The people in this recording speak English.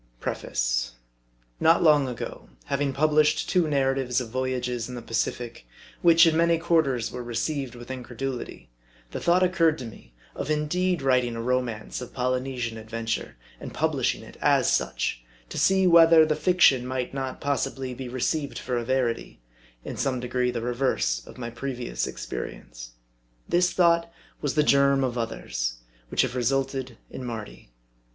PREFACE. NOT long ago, having published two narratives of voyages in the Pacific, which, in many quarters, were received with incredulity, the thought occurred to me, of indeed writing a romance of Polynesian adventure, and publishing it as such ; to see whether, the fiction might not, possibly, be re ceived for a verity : in some degree the reverse of my previous experience. This thought was the germ of others, which have resulted in Mardi.